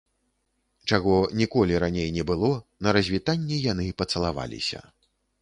Чаго ніколі раней не было, на развітанні яны пацалаваліся.